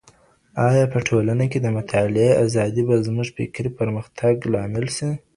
آيا په ټولنه کي د مطالعې ازادي به زموږ د فکري پرمختګ لامل سي؟